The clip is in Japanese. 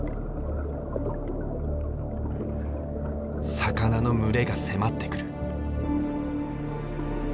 魚の群れが迫ってくる。